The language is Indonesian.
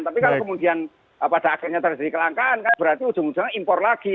tapi kalau kemudian pada akhirnya terjadi kelangkaan kan berarti ujung ujungnya impor lagi